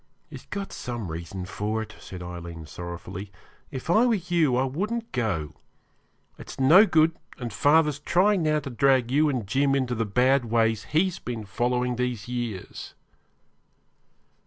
'He's got some reason for it,' said Aileen sorrowfully. 'If I were you I wouldn't go. It's no good, and father's trying now to drag you and Jim into the bad ways he's been following these years.'